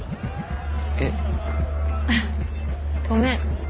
えっ？あっごめん。